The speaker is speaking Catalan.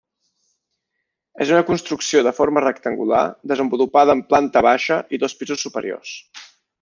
És una construcció de forma rectangular desenvolupada en planta baixa i dos pisos superiors.